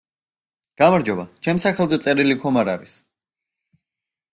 გამარჯობა, ჩემს სახელზე, წერილი ხომ არ არის?!